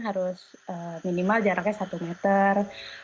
harus minimal jaraknya satu meter